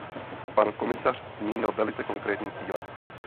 Pan komisař zmínil velice konkrétní cíle.